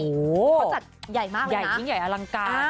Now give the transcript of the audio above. เขาจัดใหญ่มากเลยใหญ่ยิ่งใหญ่อลังการ